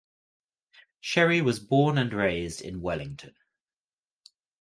Sherry was born and raised in Wellington.